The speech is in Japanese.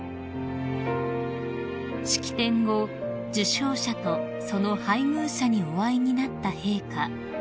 ［式典後受章者とその配偶者にお会いになった陛下］